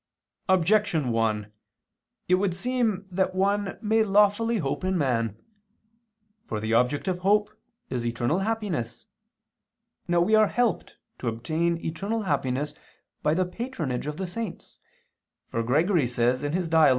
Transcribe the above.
Objection 1: It would seem that one may lawfully hope in man. For the object of hope is eternal happiness. Now we are helped to obtain eternal happiness by the patronage of the saints, for Gregory says (Dial.